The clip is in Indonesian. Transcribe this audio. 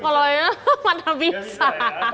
kalau ini mana bisa